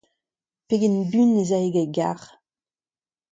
Pegen buan ez ae gant e garr ?